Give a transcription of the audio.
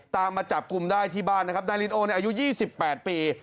ตามมาจับกลุ่มได้ที่บ้านเนี่ยครับนายน่าลินโออายุ๒๘ปี